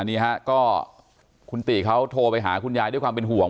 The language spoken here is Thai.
นี่ฮะก็คุณติเขาโทรไปหาคุณยายด้วยความเป็นห่วง